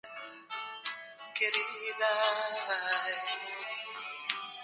Además, hizo una gira mundial representando un exitoso espectáculo de.